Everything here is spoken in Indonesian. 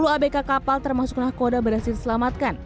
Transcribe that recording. sepuluh abk kapal termasuk nahkoda berhasil diselamatkan